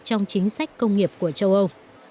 trong chính sách công nghiệp của châu âu